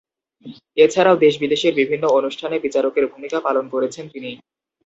এছাড়াও দেশ বিদেশের বিভিন্ন অনুষ্ঠানে বিচারকের ভূমিকা পালন করেছেন তিনি।